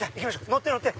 乗って乗って！